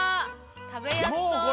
たべやすそう！